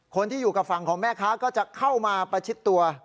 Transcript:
คนที่อยู่กับฝั่งของแม่ค้าก็จะเข้ามาประชิดตัว